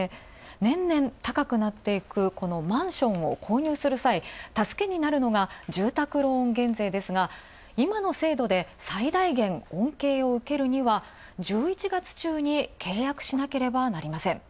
年々高くなっていくこのマンションを購入する際助けになるのが住宅ローン減税ですが今の制度で最大限恩恵を受けるには１１月中に契約しなければなりません。